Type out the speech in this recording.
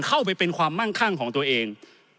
เข้าไปเป็นความมั่งคั่งของตัวเอง